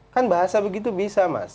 kan bahasa begitu bisa mas